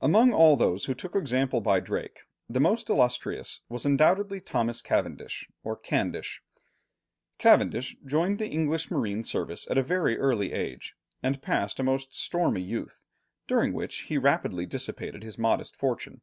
Among all those who took example by Drake, the most illustrious was undoubtedly Thomas Cavendish or Candish. Cavendish joined the English marine service at a very early age; and passed a most stormy youth, during which he rapidly dissipated his modest fortune.